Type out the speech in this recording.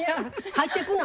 入ってくな。